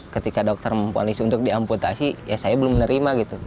ketika dokter memponis untuk diamputasi ya saya belum menerima gitu